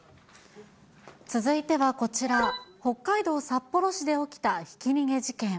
続いてはこちら、北海道札幌市で起きたひき逃げ事件。